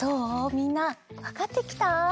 みんなわかってきた？